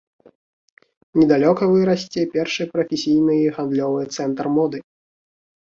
Недалёка вырасце першы прафесійны гандлёвы цэнтр моды.